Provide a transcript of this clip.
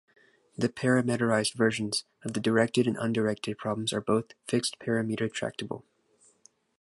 The parameterized versions of the directed and undirected problems are both fixed-parameter tractable.